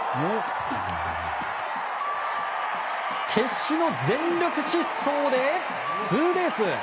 決死の全力疾走でツーベース！